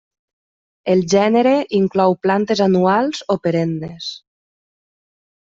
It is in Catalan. El gènere inclou plantes anuals o perennes.